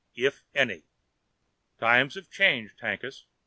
If any. Times are changed, Hankus.